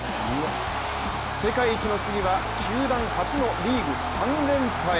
世界一の次は球団初のリーグ３連覇へ。